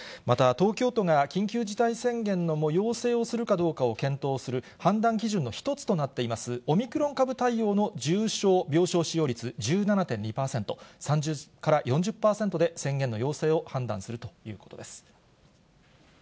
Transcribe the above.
また、東京都が緊急事態宣言の要請をするかどうかを検討する判断基準の一つとなっていますオミクロン株対応の重症病床使用率１７．２％、３０から４０％で宣言の要請を判断するということです。